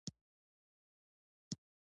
د معدنونو عواید ملي خزانې ته ځي